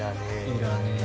いらねえ